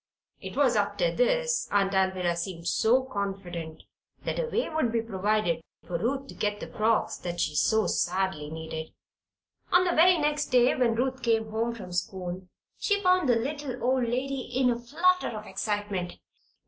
It was after this Aunt Alvirah seemed so confident that a way would be provided for Ruth to get the frocks that she so sadly needed. On the very next day, when Ruth came home from school, she found the little old lady in a flutter of excitement.